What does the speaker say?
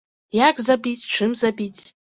Як забіць, чым забіць?